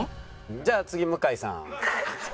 「じゃあ次向井さん」。